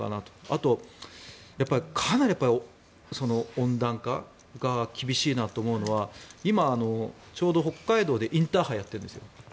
あと、かなり温暖化が厳しいなと思うのは今、ちょうど北海道でインターハイやってるんですよ。